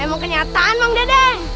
emang kenyataan mang deden